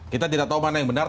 kita tidak tahu mana yang benar